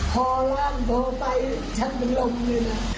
พอร้านโดดไปฉันเป็นลมเลยนะ